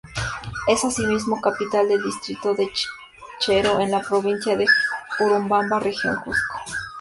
Es asimismo capital del distrito de Chinchero en la provincia de Urubamba, región Cusco.